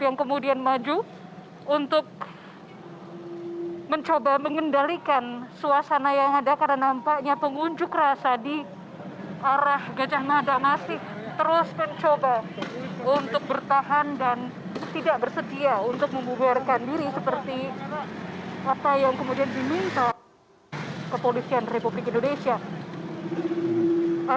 yang kemudian maju untuk mencoba mengendalikan suasana yang ada karena nampaknya pengunjuk rasa di arah gajah mada masih terus mencoba untuk bertahan dan tidak bersedia untuk membuarkan diri seperti apa yang kemudian diminta kepolisian republik indonesia